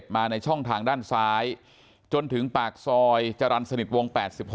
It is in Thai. มาในช่องทางด้านซ้ายจนถึงปากซอยจรรย์สนิทวง๘๖